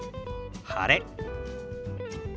「晴れ」。